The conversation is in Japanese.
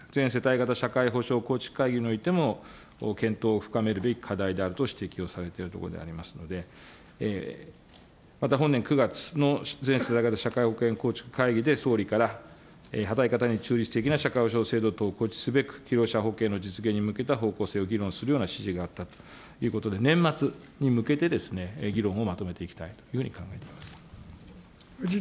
また、社会保険、全社会保険型構築会議においても、検討を深めるべき課題であると指摘をされているところでありますので、また本年９月の全世代型社会保険構築会議で、総理から働き方に中立的な社会保障制度等を構築すべく、被用者保険の実現に向けた方向性を議論するような指示があったということで、年末に向けてですね、議論をまとめていき藤田文武君。